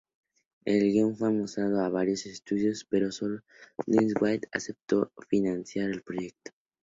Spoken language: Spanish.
El guion fue mostrado a varios estudios, pero solo Lionsgate aceptó financiar el proyecto.